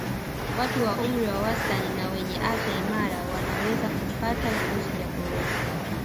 Watu wa umri wa wastani na wenye afya imara wanaweza kupata virusi vya Corona